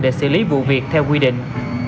để xử lý vụ việc theo quy định